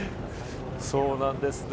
そうなんですね。